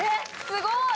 すごーい！